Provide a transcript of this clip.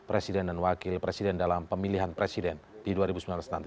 presiden dan wakil presiden dalam pemilihan presiden di dua ribu sembilan belas nanti